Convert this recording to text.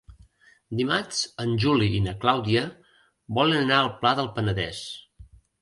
Dimarts en Juli i na Clàudia volen anar al Pla del Penedès.